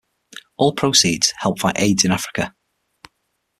All proceeds help fight Aids in Africa.